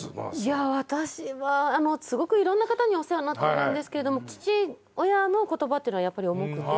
いや私はすごくいろんな方にお世話になっているんですけれども父親の言葉っていうのはやっぱり重くて。